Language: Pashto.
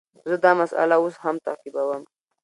زه دا مسئله اوس هم تعقیبوم.